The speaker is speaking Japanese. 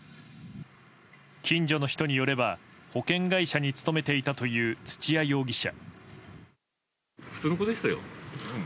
近所の人によれば保険会社に勤めていたという土屋容疑者。